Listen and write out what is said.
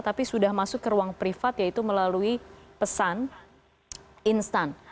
tapi sudah masuk ke ruang privat yaitu melalui pesan instan